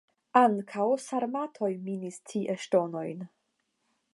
Ankaŭ sarmatoj minis tie ŝtonojn.